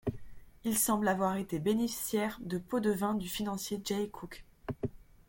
Il semble avoir été bénéficiaire de pots-de-vin du financier Jay Cooke.